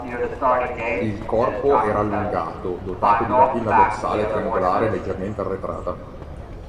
Il corpo era allungato, dotato di una pinna dorsale triangolare e leggermente arretrata.